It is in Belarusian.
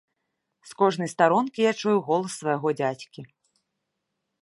З кожнай старонкі я чую голас свайго дзядзькі.